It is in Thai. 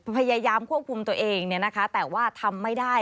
พยายามควบคุมตัวเองแต่ว่าทำไม่ได้